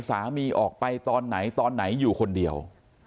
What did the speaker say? สามีออกไปตอนไหนตอนไหนอยู่คนเดียว